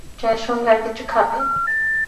চায়ের সঙ্গে আর কিছু খাবে?